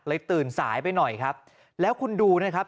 ตื่นสายไปหน่อยครับแล้วคุณดูนะครับ